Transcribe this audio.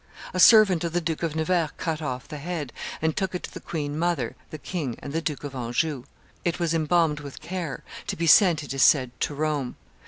A servant of the Duke of Nevers cut off the head, and took it to the queen mother, the king, and the Duke of Anjou. It was embalmed with care, to be sent, it is said, to Rome.